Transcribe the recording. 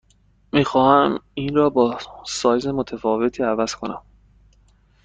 می خواهم این را با سایز متفاوتی عوض کنم.